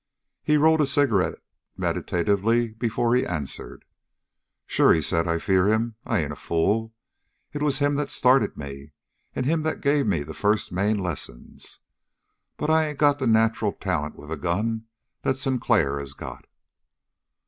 He rolled a cigarette meditatively before he answered. "Sure," he said, "I fear him. I ain't a fool. It was him that started me, and him that gave me the first main lessons. But I ain't got the nacheral talent with a gun that Sinclair has got."